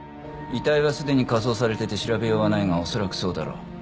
遺体はすでに火葬されてて調べようはないが恐らくそうだろう。